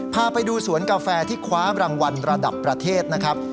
พาไปดูสวนกาแฟที่คว้ารางวัลระดับประเทศนะครับ